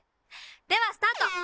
ではスタート！